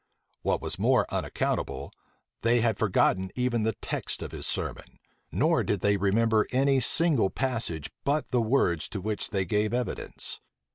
What was more unaccountable, they had forgotten even the text of his sermon; nor did they remember any single passage but the words to which they gave evidence.